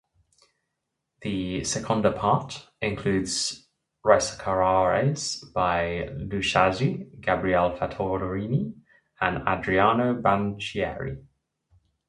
The "Seconda parte" includes ricercares by Luzzaschi, Gabriele Fattorini and Adriano Banchieri.